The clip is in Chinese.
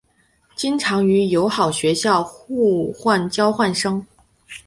经常与友好学校互换交换生。